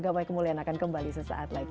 gapai kemuliaan akan kembali sesaat lagi